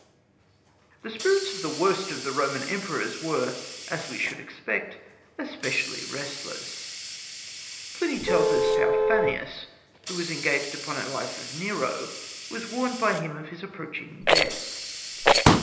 The spirits of the worst of the Roman Emperors were, as we should expect, especially restless. Pliny tells us how Fannius, who was engaged upon a Life of Nero, was warned by him of his approaching death.